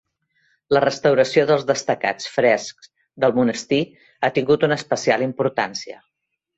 La restauració dels destacats frescs del monestir ha tingut una especial importància.